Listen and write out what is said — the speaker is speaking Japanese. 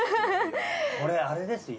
これあれですよ